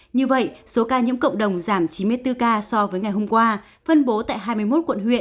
như vậy số ca nhiễm cộng đồng giảm chín mươi bốn ca so với ngày hôm qua phân bố tại hai mươi một quận huyện